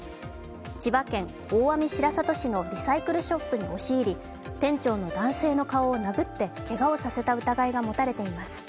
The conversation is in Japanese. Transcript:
千葉県大網白里市のリサイクルショップに押し入り、店長の男性の顔を殴ってけがをさせた疑いが持たれています。